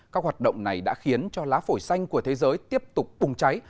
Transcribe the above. các hoạt động này đã khiến cho lá phổi xanh của thế giới tiếp tục bùng cháy